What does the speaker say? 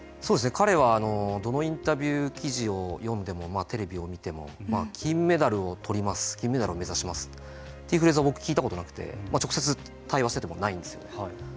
彼はどのインタビュー記事を読んでもテレビを見ても金メダルを取ります金メダルを目指しますというフレーズを僕聞いたことなくて直接対話しててもないんですよね。